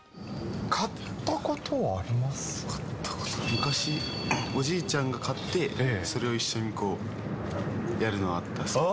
買ったことは、昔、おじいちゃんが買ってそれを一緒にこう、やるのはあったんですけど。